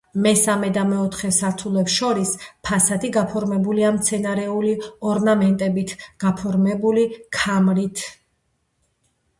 მესამე და მეოთხე სართულებს შორის ფასადი გაფორმებულია მცენარეული ორნამენტებით გაფორმებული ქამრით.